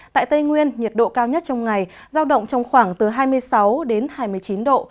tại tây nguyên nhiệt độ cao nhất trong ngày giao động trong khoảng từ hai mươi sáu đến hai mươi chín độ